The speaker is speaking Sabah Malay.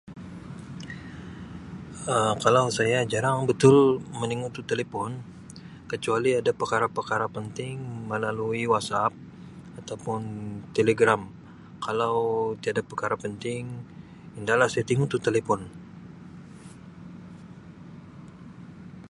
Um kalau saya jarang betul meningu tu talipon kecuali ada perkara-perkara penting melalui WhatsApp atau pun Telegram, kalau tiada perkara penting, inda lah saya tingu tu talipon.